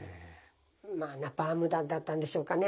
まあナパーム弾だったんでしょうかね。